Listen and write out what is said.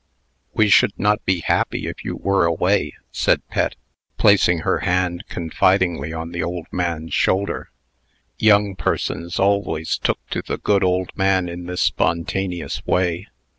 "We should not be happy, if you were away," said Pet, placing her hand confidingly on the old man's shoulder. Young persons always took to the good old man in this spontaneous way.